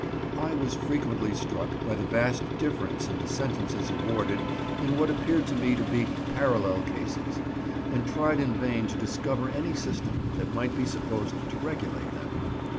I was frequently struck by the vast difference in the sentences awarded in what appeared to me to be parallel cases, and tried in vain to discover any system that might be supposed to regulate them.